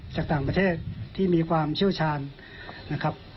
จากต่างประเทศที่มีความเชี่ยวชาญนะครับ